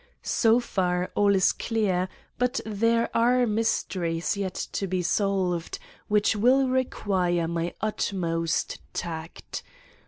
So far, all is clear, but there are mysteries yet to be solved, which will require my utmost tact.